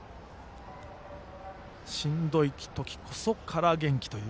しんどい時こそ空元気という。